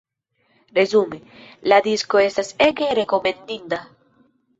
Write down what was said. Resume: la disko estas ege rekomendinda!